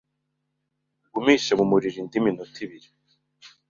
ugumishe ku muriro indi minota ibiri